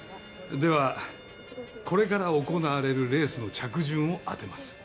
ではこれから行なわれるレースの着順を当てます。